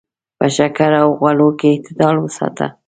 په شکر او غوړو کې اعتدال وساته.